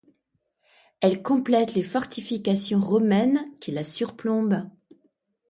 Elle complète les fortifications romaines qui la surplombent.